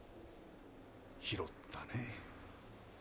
拾ったねえ。